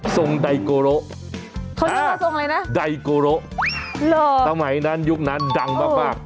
ส่งไดโกโรอ่าไดโกโรตั้งไหนยุคนั้นดังมาก